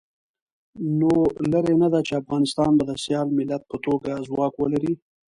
نو لرې نه ده چې افغانستان به د سیال ملت په توګه ځواک ولري.